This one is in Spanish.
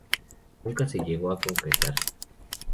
Nunca se llegó a concretar.